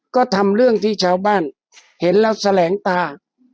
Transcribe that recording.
ก็ทำเรื่องที่ชาวบ้านเห็นแล้วแสลงตา